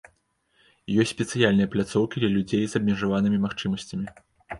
Ёсць спецыяльныя пляцоўкі для людзей з абмежаванымі магчымасцямі.